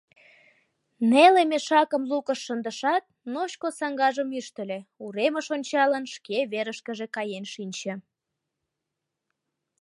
Неле мешакым лукыш шындышат, ночко саҥгажым ӱштыльӧ, уремыш ончалын, шке верышкыже каен шинче.